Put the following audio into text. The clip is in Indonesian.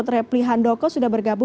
terima kasih mbak